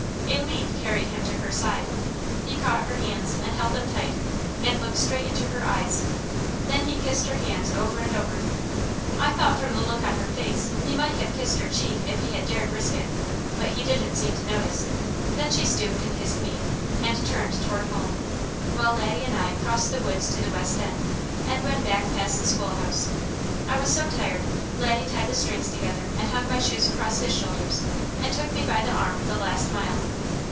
A leap carried him to her side. He caught her hands and held them tight, and looked straight into her eyes. Then he kissed her hands over and over. I thought from the look on her face he might have kissed her cheek if he had dared risk it; but he didn't seem to notice. Then she stooped and kissed me, and turned toward home, while Laddie and I crossed the woods to the west road, and went back past the schoolhouse. I was so tired Laddie tied the strings together and hung my shoes across his shoulders and took me by the arm the last mile.